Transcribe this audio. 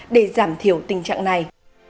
để giảm thiểu tình trạng này